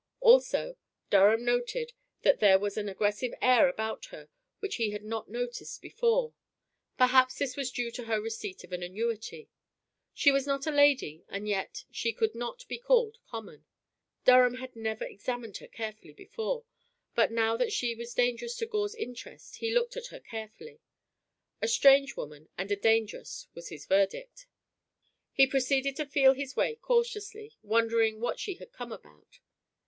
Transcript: Also Durham noted that there was an aggressive air about her which he had not noticed before. Perhaps this was due to her receipt of an annuity. She was not a lady, and yet she could not be called common. Durham had never examined her carefully before, but now that she was dangerous to Gore's interest he looked at her carefully. A strange woman and a dangerous was his verdict. He proceeded to feel his way cautiously, wondering what she had come about.